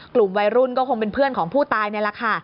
กลุ่มวัยรุ่นก็คงเป็นเพื่อนของผู้ตายนี่แหละค่ะ